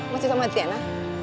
masih sama adriana